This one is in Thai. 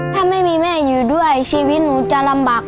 ถ้าไม่มีแม่อยู่ด้วยชีวิตหนูจะลำบาก